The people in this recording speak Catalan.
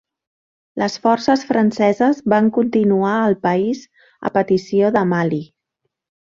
Les forces franceses van continuar al país a petició de Mali.